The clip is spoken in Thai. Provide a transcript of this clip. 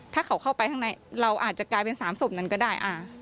ถ้าเขาเข้าไปข้างในเราอาจจะกลายเป็น๓ศพนั้นก็ได้